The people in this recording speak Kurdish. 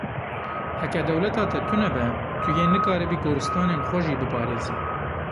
Heke dewleta te tune be, tu yê nikaribî goristanên xwe jî biparêzî.